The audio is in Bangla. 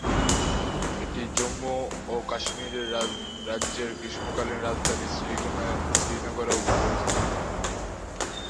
এটি জম্মু ও কাশ্মীর রাজ্যের গ্রীষ্মকালীন রাজধানী শ্রীনগরে অবস্থিত।